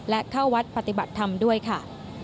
และเข้าวัดปฏิบัติธรรมด้วยค่ะ